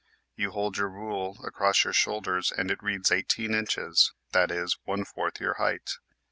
You hold your rule across your shoulders and it reads 18 inches, that is, one fourth your height.